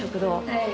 はい。